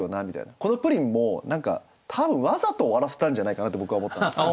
この「プリン」も何か多分わざと終わらせたんじゃないかなと僕は思ったんですけど。